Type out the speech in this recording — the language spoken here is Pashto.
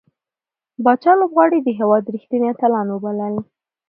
پاچا لوبغاړي د هيواد رښتينې اتلان وبلل .